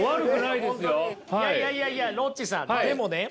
いやいやいやいやロッチさんでもね